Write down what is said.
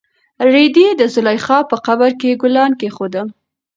رېدي د زلیخا په قبر کې ګلان کېښودل.